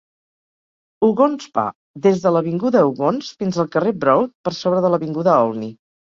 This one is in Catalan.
Ogontz va "des de l'avinguda Ogontz fins al carrer Broad per sobre de l'avinguda Olney".